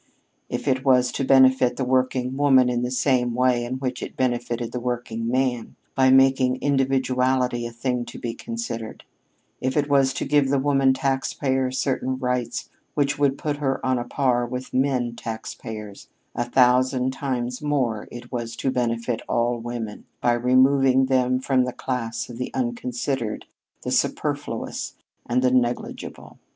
If it was to benefit the working woman in the same way in which it benefited the working man, by making individuality a thing to be considered; if it was to give the woman taxpayer certain rights which would put her on a par with the man taxpayer, a thousand times more it was to benefit all women by removing them from the class of the unconsidered, the superfluous, and the negligible.